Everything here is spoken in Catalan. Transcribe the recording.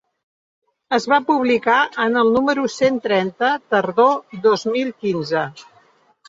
Es va publicar en el número cent trenta, tardor dos mil quinze.